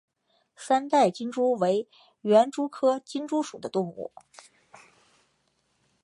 三带金蛛为园蛛科金蛛属的动物。